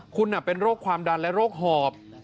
คุณเป็นโรคความดันและโรคหอบ